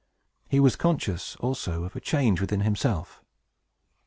He was conscious, also, of a change within himself.